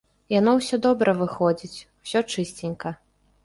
Яно ўсё добра выходзіць, усё чысценька.